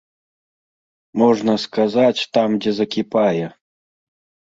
Можна сказаць, там дзе закіпае!